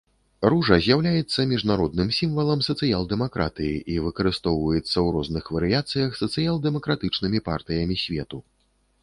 Ружа з'яўляецца міжнародным сімвалам сацыял-дэмакратыі і выкарыстоўваецца ў розных варыяцыях сацыял-дэмакратычнымі партыямі свету.